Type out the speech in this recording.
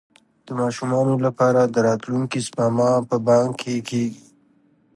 د ماشومانو لپاره د راتلونکي سپما په بانک کې کیږي.